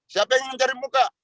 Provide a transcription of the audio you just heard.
siapa yang ingin mencari muka